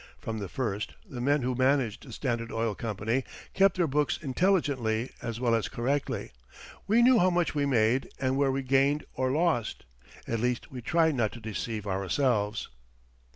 From the first, the men who managed the Standard Oil Company kept their books intelligently as well as correctly. We knew how much we made and where we gained or lost. At least, we tried not to deceive ourselves.